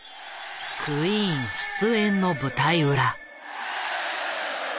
クイーン出演の舞台裏。